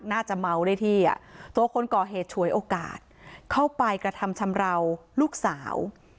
น่าจะเมาได้ที่อ่ะตัวคนก่อเหตุฉวยโอกาสเข้าไปกระทำชำราวลูกสาว